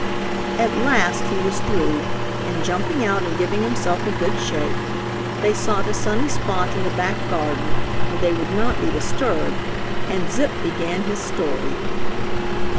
At last he was through and, jumping out and giving himself a good shake, they sought a sunny spot in the back garden where they would not be disturbed, and Zip began his story.